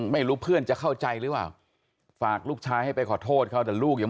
ไปขอรู้ตัวตาคนนั้นอยู่บะบาคุณเป็นเซียวฮักกัน